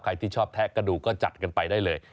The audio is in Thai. ใครที่ชอบแทะกระดูกก็จัดกันไปได้เลย